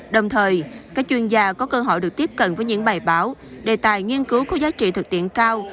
đồng thời các chuyên gia có cơ hội được tiếp cận với những bài báo đề tài nghiên cứu có giá trị thực tiễn cao